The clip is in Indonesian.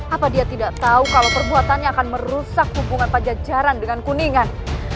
apa dia tidak tahu kalau perbuatannya akan merusak hubungan pajajaran dengan kuningan